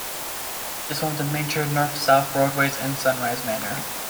It is one of the major north-south roadways in Sunrise Manor.